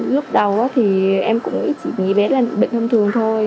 lúc đầu thì em cũng chỉ nghĩ bé là bệnh thông thường thôi